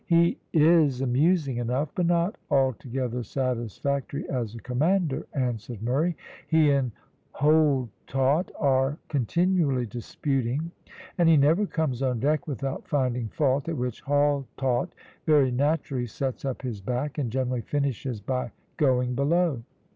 "He is amusing enough, but not altogether satisfactory as a commander," answered Murray. "He and Haultaut are continually disputing, and he never comes on deck without finding fault, at which Haultaut very naturally sets up his back, and generally finishes by going below.